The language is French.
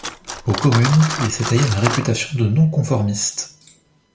Aux Communes, il s'est taillé une réputation de non-conformiste.